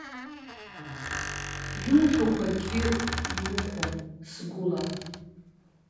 Иуҳәақәо акгьы иухәом, сгәыла.